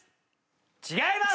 違います！